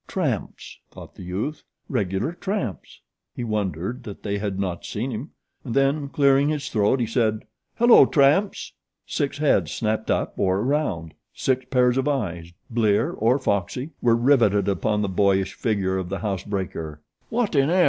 "Tramps!" thought the youth. "Regular tramps." He wondered that they had not seen him, and then, clearing his throat, he said: "Hello, tramps!" Six heads snapped up or around. Six pairs of eyes, blear or foxy, were riveted upon the boyish figure of the housebreaker. "Wotinel!"